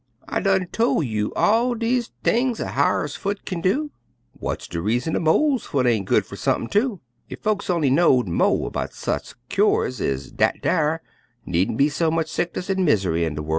I done tol' you all de things a hyar's foot kin do; w'ats de reason a mole's foot ain' good fer sump'n, too? Ef folks on'y knowed mo' about sech kyores ez dat dar neenter be so much sickness an' mis'ry in de worl'.